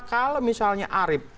kalau misalnya arief